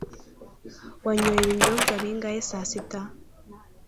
Wanyoye ibinyobwa bingahe saa sita?